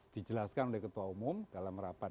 dijelaskan oleh ketua umum dalam rapat